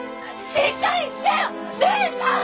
しっかりしてよ姉さん！！